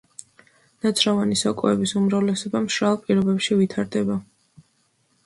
ნაცროვანი სოკოების უმრავლესობა მშრალ პირობებში ვითარდება.